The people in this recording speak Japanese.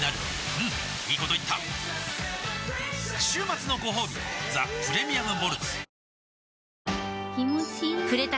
うんいいこと言った週末のごほうび「ザ・プレミアム・モルツ」